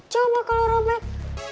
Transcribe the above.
coba kalau robek